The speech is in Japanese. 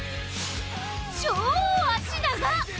超足長！？